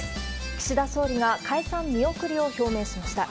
岸田総理が解散見送りを表明しました。